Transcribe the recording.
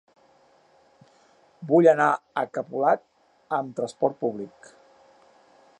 Vull anar a Capolat amb trasport públic.